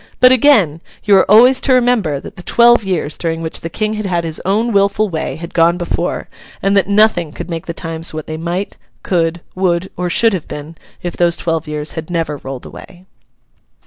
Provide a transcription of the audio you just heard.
But again, you are always to remember that the twelve years during which the King had had his own wilful way, had gone before; and that nothing could make the times what they might, could, would, or should have been, if those twelve years had never rolled away.